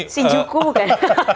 si juku kan